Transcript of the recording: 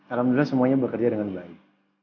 alhamdulillah semuanya bekerja dengan baik